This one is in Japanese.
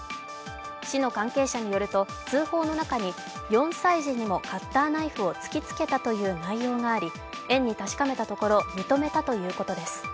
市の関係者によると通報の中に４歳児にもカッターナイフを突きつけたという内容があり園に確かめたところ認めたということです。